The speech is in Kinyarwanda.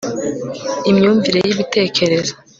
Imyumvire yibitekerezo